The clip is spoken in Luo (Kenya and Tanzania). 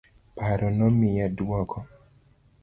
Paro nomiye duoko.